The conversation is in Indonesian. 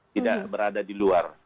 tidak berada di luar